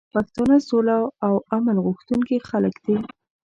پښتانه سوله او امن غوښتونکي خلک دي.